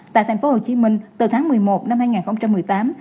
tại tp hcm từ tháng một mươi một năm hai nghìn một mươi tám